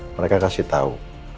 mereka kasih tau